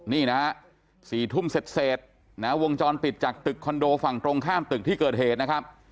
นี่นะฮะ๔ทุ่มเสร็จนะฮะวงจรปิดจากตึกคอนโดฝั่งตรงข้ามตึกที่เกิดเหตุนะครับ